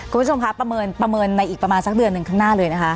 คุณผู้ชมคะประเมินในอีกประมาณสักเดือนหนึ่งข้างหน้าเลยนะคะ